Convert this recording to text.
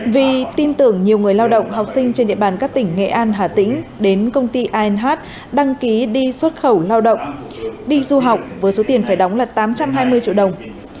vì tin tưởng nhiều người lao động học sinh trên địa bàn các tỉnh nghệ an hà tĩnh đến công ty anh đăng ký đi xuất khẩu lao động đi du học với số tiền phải đóng là tám trăm hai mươi triệu đồng